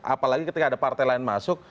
apalagi ketika ada partai lain masuk